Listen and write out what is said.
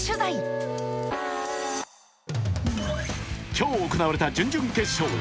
今日行われた準々決勝。